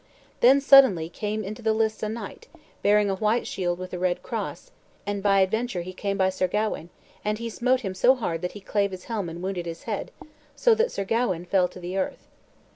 Then suddenly came into the lists a knight, bearing a white shield with a red cross, and by adventure he came by Sir Gawain, and he smote him so hard that he clave his helm and wounded his head, so that Sir Gawain fell to the earth.